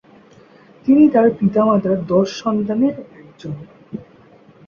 তিনি তার পিতামাতার দশ সন্তানের একজন।